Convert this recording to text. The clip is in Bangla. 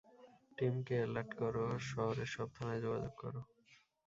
টিম কে, এলাড করো, শহরের সব থানায় যোগাযোগ কর।